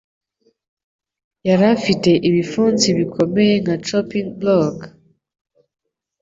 Yari afite ibipfunsi bikomeye nka choppin 'blok,